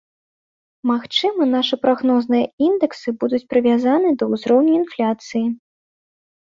Магчыма, нашы прагнозныя індэксы будуць прывязаны да ўзроўню інфляцыі.